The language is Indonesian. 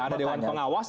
ada dewan pengawas